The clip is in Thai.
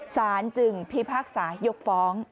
สารจึงพิพากษายกฟ้อง